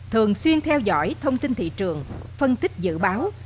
thường xuyên theo dõi thông tin thị trường phân tích dự báo